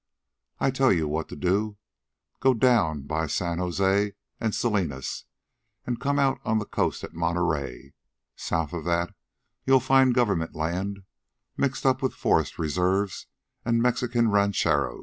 I tell you what you do. Go down by San Jose and Salinas an' come out on the coast at Monterey. South of that you'll find government land mixed up with forest reserves and Mexican rancheros.